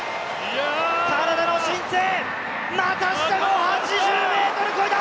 カナダの新星、またしても８０ｍを超えた！